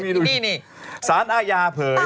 วัดอ้านสันอาญาเผย